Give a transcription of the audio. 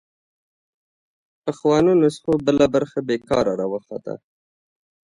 پخوانو نسخو بله برخه بېکاره راوخته